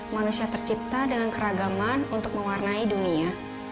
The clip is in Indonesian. manusia tercipta dengan keragaman untuk mewarnai dunia